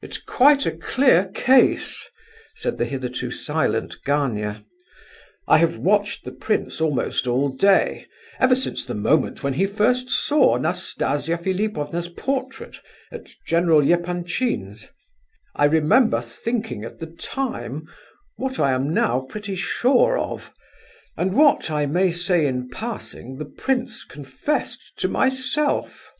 "It's quite a clear case," said the hitherto silent Gania. "I have watched the prince almost all day, ever since the moment when he first saw Nastasia Philipovna's portrait, at General Epanchin's. I remember thinking at the time what I am now pretty sure of; and what, I may say in passing, the prince confessed to myself."